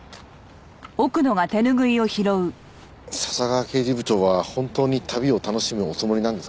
笹川刑事部長は本当に旅を楽しむおつもりなんですかね？